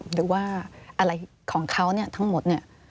หรือว่าอะไรของเขาทั้งหมด